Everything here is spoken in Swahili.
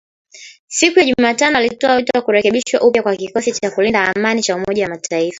Siku ya Jumatano, alitoa wito wa kurekebishwa upya kwa kikosi cha kulinda amani cha Umoja wa Mataifa